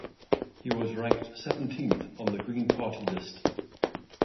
He was ranked seventeenth on the Green Party list.